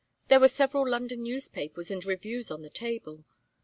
There were several London newspapers and reviews on the table.